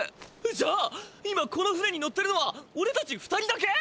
じゃあ今この船に乗ってるのはおれたち２人だけ！？